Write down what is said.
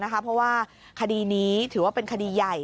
เพราะว่าคดีนี้ถือว่าเป็นคดีใหญ่